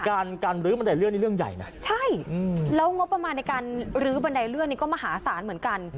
การการลื้อบันไดเลื่อนนี่เรื่องใหญ่นะใช่อืมแล้วงบประมาณในการลื้อบันไดเลื่อนนี่ก็มหาศาลเหมือนกัน